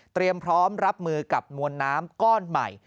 พร้อมรับมือกับมวลน้ำก้อนใหม่